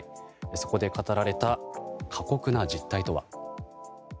そこで語られた過酷な実態とは。